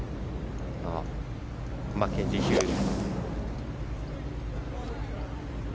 マッケンジー・ヒューズ。